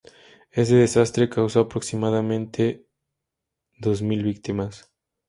Ese desastre causó aproximadamente dos mil víctimas.